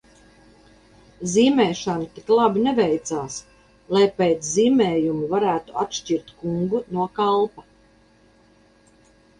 Zīmēšana tik labi neveicās, lai pēc zīmējuma varētu atšķirt kungu no kalpa.